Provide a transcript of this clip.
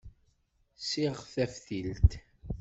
Ssiɣ taftilt.